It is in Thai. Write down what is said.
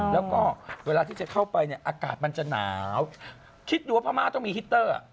แล้วก็เวลาที่จะเข้าไปเนี่ยอากาศมันจะหนาวคิดดูว่าพม่าต้องมีฮิตเตอร์